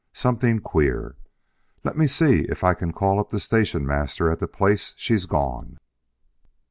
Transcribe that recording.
Something queer! Let me see if I can call up the station master at the place she's gone."